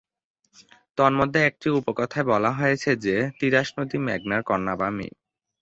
তন্মধ্যে একটি উপকথায় বলা হয়েছে যে, তিতাস নদী মেঘনার কন্যা বা মেয়ে।